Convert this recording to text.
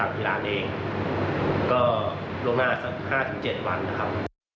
ก็ลงหน้า๕๗วันนะครับ